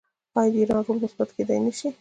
آیا د ایران رول مثبت کیدی نشي؟